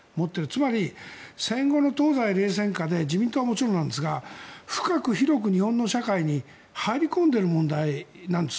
つまり戦後の東西冷戦下で自民党はもちろんなんですが深く、広く日本の社会に入り込んでいる問題なんです。